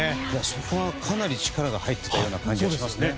そこはかなり力が入っていたような感じがしましたね。